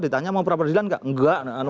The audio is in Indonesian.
ditanya mau pra peradilan gak